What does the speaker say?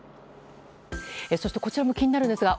そしてこちらも気になるんですが。